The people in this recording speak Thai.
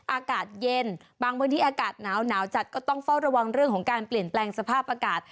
อากาศเย็นบางพื้นที่อากาศหนาวจัดก็ต้องเฝ้าระวังเรื่องของการเปลี่ยนแปลงสภาพอากาศ